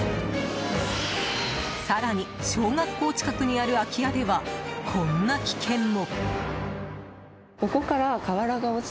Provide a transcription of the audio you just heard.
更に、小学校近くにある空き家では、こんな危険も。